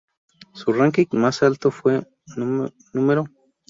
Su ranking más alto fue Nro.